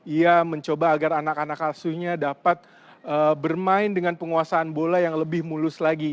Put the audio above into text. ia mencoba agar anak anak asunya dapat bermain dengan penguasaan bola yang lebih mulus lagi